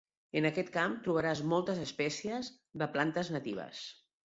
En aquest camp trobaràs moltes espècies de plantes natives.